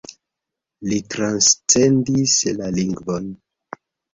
Li transcendis la lingvon.